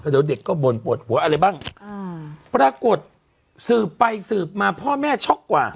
เดี๋ยวเด็กก็บ่นปวดหัวอะไรบ้างปรากฏสืบไปสืบมาพ่อแม่ช็อกกว่า